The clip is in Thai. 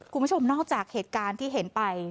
คุณผู้ชมนอกจากเหตุการณ์ที่เห็นไป